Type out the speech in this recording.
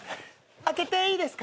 開けていいですか？